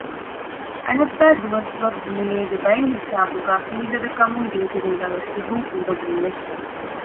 އަނެއްބައި ދުވަސްވަރު ދުނިޔޭގެ ބައެއްހިސާބުގައި ފިނިގަދަކަމުން ގޭތެރޭގައިވެސް ތިބުން އުނދަގޫވެ